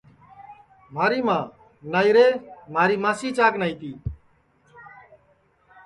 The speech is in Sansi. مھاری ماں نائیرے مھاری ماسی چاک نائی تی